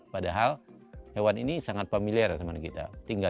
padahal hewan ini sangat familiar ya teman teman kita